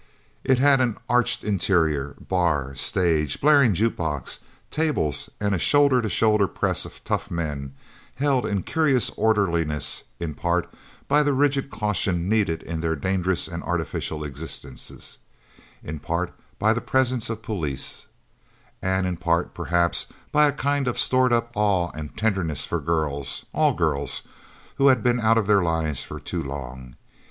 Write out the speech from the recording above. It had an arched interior, bar, stage, blaring jukebox, tables, and a shoulder to shoulder press of tough men, held in curious orderliness in part by the rigid caution needed in their dangerous and artificial existences, in part by the presence of police, and in part perhaps by a kind of stored up awe and tenderness for girls all girls who had been out of their lives for too long.